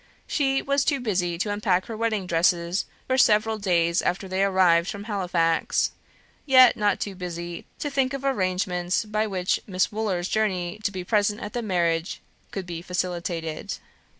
She was too busy to unpack her wedding dresses for several days after they arrived from Halifax; yet not too busy to think of arrangements by which Miss Wooler's journey to be present at the marriage could be facilitated.